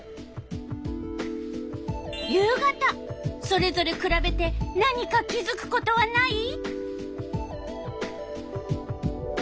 それぞれくらべて何か気づくことはない？